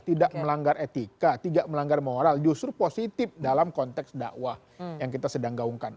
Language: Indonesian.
tidak melanggar etika tidak melanggar moral justru positif dalam konteks dakwah yang kita sedang gaungkan